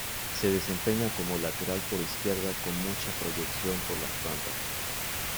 Se desempeña como lateral por izquierda, con mucha proyección por las bandas.